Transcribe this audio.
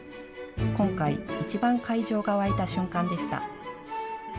今回、一番会場が沸いた瞬間でした。